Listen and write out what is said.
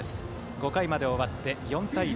５回まで終わって４対０。